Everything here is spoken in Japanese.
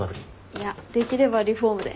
いやできればリフォームで。